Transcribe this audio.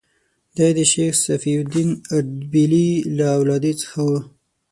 دی د شیخ صفي الدین اردبیلي له اولادې څخه و.